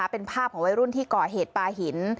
เป็นภาพของวัยรุ่นที่ก่อเหตุปลาหิน